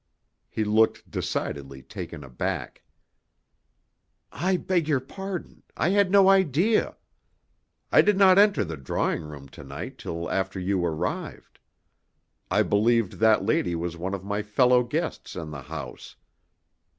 He looked decidedly taken aback. "I beg your pardon; I had no idea. I did not enter the drawing room to night till after you arrived. I believed that lady was one of my fellow guests in the house.